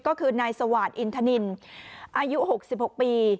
ก็คือนายสวาสอินทนินอายุ๖๖ปี